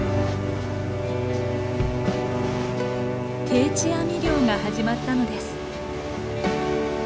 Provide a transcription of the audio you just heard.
定置網漁が始まったのです。